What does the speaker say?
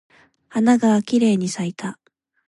花がきれいに咲いた。